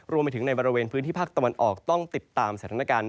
รวมไปถึงในประเทศฝั่งที่ภากตะวันออกต้องติดตามแสถมการ